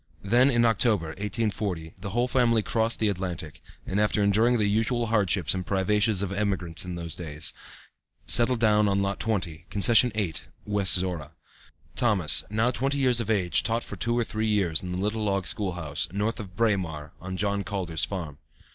Then in October, 1840, the whole family crossed the Atlantic, and after enduring the usual hardships and privations of emigrants in those early days, settled down on lot 20, concession 8, West Zorra. Thomas, now twenty years of age, taught for two or three years in the little log school house, north of Braemar, on John Calder's farm.